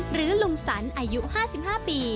หรือลุงสันอายุ๕๕ปี